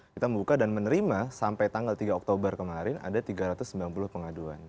kita membuka dan menerima sampai tanggal tiga oktober kemarin ada tiga ratus sembilan puluh pengaduan